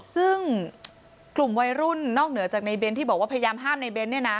ซึ่งกลุ่มวัยรุ่นนอกเหนือจากนายเบ้นที่บอกว่าพยายามห้ามนายเบ้น